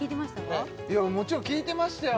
いやもちろん聴いてましたよ